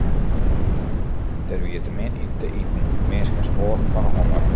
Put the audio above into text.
Der wie te min te iten, minsken stoaren fan 'e honger.